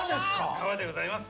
皮でございます。